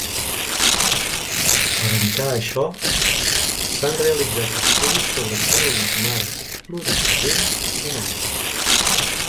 Per evitar això, s'han realitzat estudis sobre cèl·lules mare pluripotents humanes.